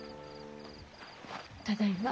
ただいま。